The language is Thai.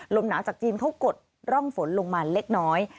ลมหนาวจากจีนเขากดร่องฝนลงมาเล็กน้อย